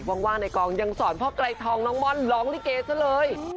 ว่างในกองยังสอนพ่อไกรทองน้องม่อนร้องลิเกซะเลย